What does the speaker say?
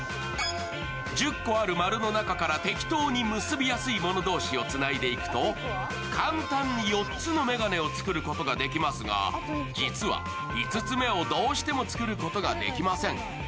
１０個ある○の中から適当に結びやすいもの同士をつないでいくと簡単に４つの眼鏡を作ることができますが、実は５つ目をどうしても作ることができません。